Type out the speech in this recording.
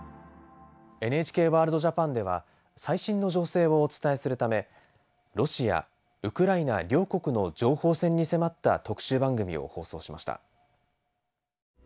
「ＮＨＫＷＯＲＬＤＪＡＰＡＮ」では最新の情勢をお伝えするためロシアウクライナ両国の情報戦に迫った特集番組を放送しました。